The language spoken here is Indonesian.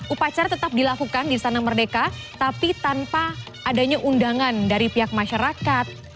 upacara tetap dilakukan di sana merdeka tapi tanpa adanya undangan dari pihak masyarakat